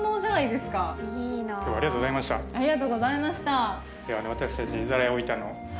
では私たち。